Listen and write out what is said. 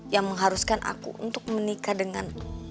yang mengharuskan aku untuk menikah denganmu